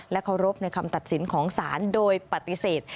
เคารพในคำตัดสินของศาลโดยปฏิเสธ